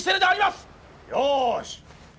よし！